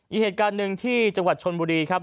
อีกเหตุการณ์หนึ่งที่จังหวัดชนบุรีครับ